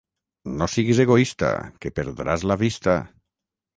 No siguis egoista, que perdràs la vista.